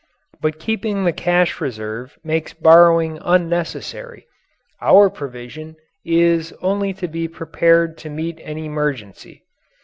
But keeping the cash reserve makes borrowing unnecessary our provision is only to be prepared to meet an emergency.